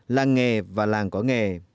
làng nghề và làng có nghề